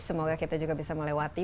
semoga kita juga bisa melewati